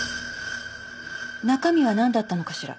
中身はなんだったのかしら？